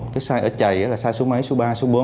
cái size ở chày là size số mấy size số ba size số bốn